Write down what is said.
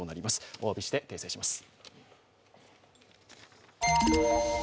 おわびして訂正します。